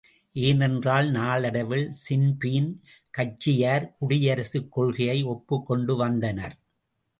ஏனென்றால் நாளடைவில் ஸின்பீன் கட்சியார் குடியரசுக் கொள்கையை ஒப்புகொண்டு வந்தனர்.